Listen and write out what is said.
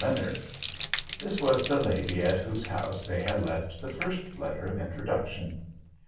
Leonard. This was the lady at whose house they had left the first letter of introduction.